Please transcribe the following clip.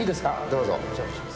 どうぞ。